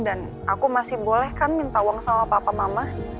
dan aku masih boleh kan minta uang sama papa mama